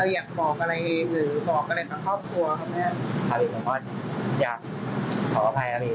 อยากบอกอะไรเหมือนกับครอบครัว